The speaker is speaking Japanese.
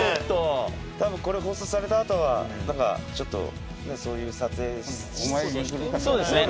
多分これ放送されたあとはちょっとねそういう撮影。